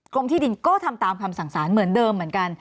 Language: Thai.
ที่ดินก็ทำตามคำสั่งสารเหมือนเดิมเหมือนกัน